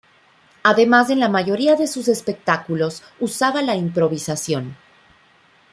Además en la mayoría de sus espectáculos usaba la improvisación.